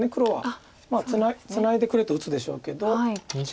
ツナいでくれと打つでしょうけど。